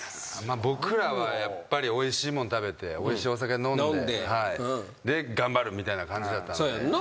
僕らはやっぱりおいしいもの食べておいしいお酒飲んでで頑張るみたいな感じだったので。